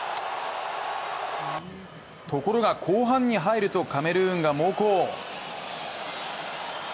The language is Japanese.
ところが、後半に入るとカメルーンが猛攻。